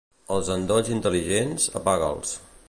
Els endolls intel·ligents, apaga'ls.